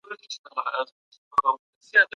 د زړو غالیو بیه په بازار کي څنګه ټاکل کيده؟